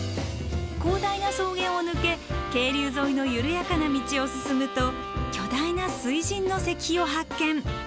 広大な草原を抜け渓流沿いの緩やかな道を進むと巨大な水神の石碑を発見。